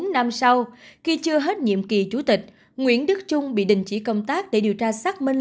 bốn năm sau khi chưa hết nhiệm kỳ chủ tịch nguyễn đức trung bị đình chỉ công tác để điều tra xác minh